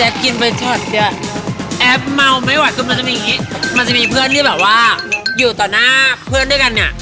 แอปกินไปชอบแอปเมาไม่หวัดก็มีเพื่อนที่อยู่ต่อหน้าเพื่อนด้วยกัน